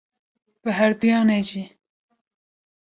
Bi herduyan e jî.